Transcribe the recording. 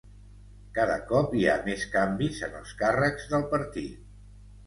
Cada cop hi ha més canvis en els càrrecs del partit